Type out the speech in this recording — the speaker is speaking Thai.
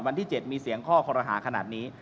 วันที่๗มีเสียงข้อคอรหาขนาดนี้